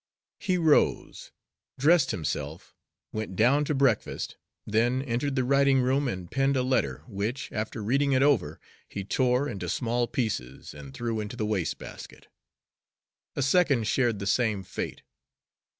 He rose, dressed himself, went down to breakfast, then entered the writing room and penned a letter which, after reading it over, he tore into small pieces and threw into the waste basket. A second shared the same fate.